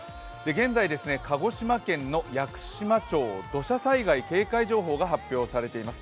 現在、鹿児島県の屋久島町、土砂災害警戒情報が入っています。